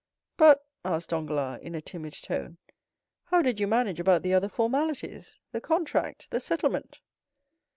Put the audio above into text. "But," asked Danglars, in a timid tone, "how did you manage about the other formalities—the contract—the settlement?"